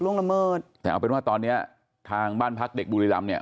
ละเมิดแต่เอาเป็นว่าตอนเนี้ยทางบ้านพักเด็กบุรีรำเนี่ย